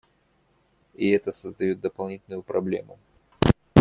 И это создает дополнительную проблему.